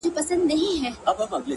• دا د بازانو د شهپر مېنه ده,